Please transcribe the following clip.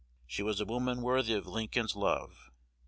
She was a woman worthy of Lincoln's love."